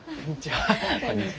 こんにちは。